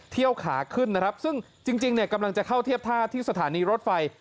ขาขึ้นนะครับซึ่งจริงเนี่ยกำลังจะเข้าเทียบท่าที่สถานีรถไฟ